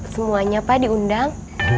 semuanya pak diundang